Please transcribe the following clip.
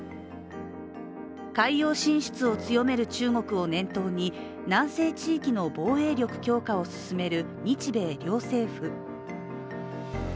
海洋進出を強める中国を念頭に、南西地域の防衛力強化を進める日米両政府。